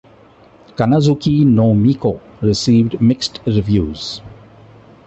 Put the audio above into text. "Kannazuki no Miko" received mixed reviews.